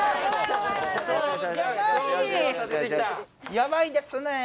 やばいですね。